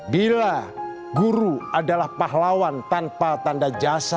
bila guru adalah pahlawan tanpa tanda jasa